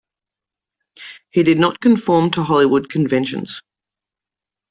He did not conform to Hollywood conventions.